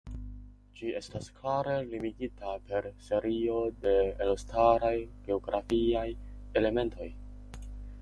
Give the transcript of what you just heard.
Ĝi estas klare limigita per serio de elstaraj geografiaj elementoj.